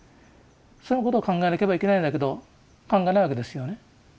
そのことを考えなければいけないんだけど考えないわけですよね。